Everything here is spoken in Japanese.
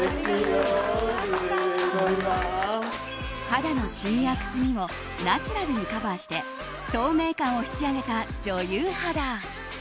肌のシミやくすみをナチュラルにカバーして透明感を引き上げた女優肌。